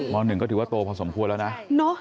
๑ก็ถือว่าโตพอสมควรแล้วนะ